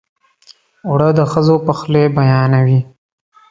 اوړه د ښځو پخلی بیانوي